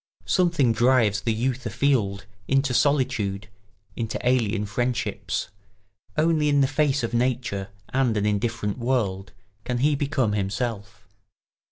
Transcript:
Something drives the youth afield, into solitude, into alien friendships; only in the face of nature and an indifferent world can he become himself.